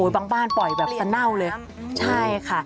บางบ้านปล่อยแบบสะเน่าเลยใช่ค่ะ